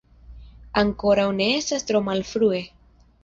Ankoraŭ ne estas tro malfrue!